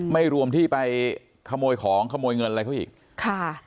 ไม่รวมที่ไปขโมยของขโมยเงินอะไรเขาอีกค่ะ